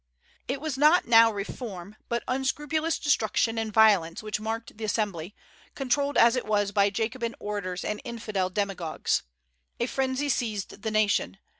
It was not now reform, but unscrupulous destruction and violence which marked the Assembly, controlled as it was by Jacobin orators and infidel demagogues. A frenzy seized the nation.